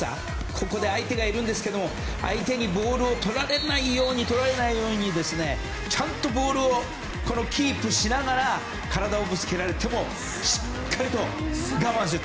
ここで相手がいるんですけど相手にボールをとられないようにちゃんとボールをキープしながら体をぶつけられてもしっかりと我慢する。